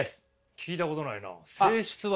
聞いたことないな性質割。